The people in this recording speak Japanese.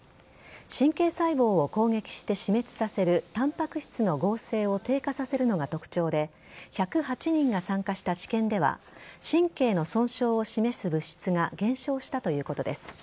神経細胞を攻撃して死滅させるタンパク質の合成を低下させるのが特徴で１０８人が参加した治験では神経の損傷を示す物質が減少したということです。